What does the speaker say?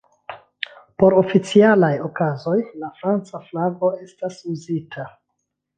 Por oficialaj okazoj, la franca flago estas uzita.